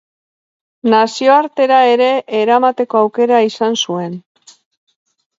Nazioartera ere eramateko aukera izan zuen.